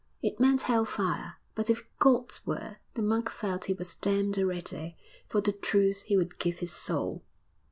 It meant hell fire; but if God were, the monk felt he was damned already for the truth he would give his soul!